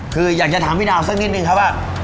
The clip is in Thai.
คืออยากจะถามพี่ดาวสักนิดนึงครับว่า